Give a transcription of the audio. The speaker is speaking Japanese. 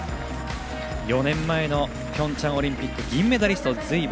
４年前のピョンチャンオリンピック銀メダリスト隋